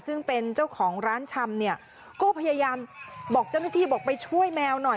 ซึ่งเป็นเจ้าของร้านชำเนี่ยก็พยายามบอกเจ้าหน้าที่บอกไปช่วยแมวหน่อย